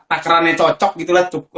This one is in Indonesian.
akrannya cocok gitu lah